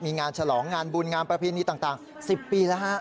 มีงานฉลองงานบุญงานประเพณีต่าง๑๐ปีแล้วฮะ